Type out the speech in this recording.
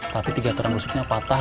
tapi tiga turang rusuknya patah